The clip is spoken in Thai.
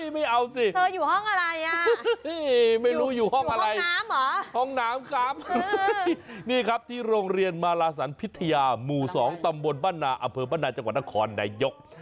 ไม่เอาสิเจออยู่ห้องอะไรอ่ะห้องน้ำครับนี่ครับที่โรงเรียนมาลาสันพิธยาหมู่๒ตำบลบ้านาอเภิมบ้านาจังหวัดนครนายก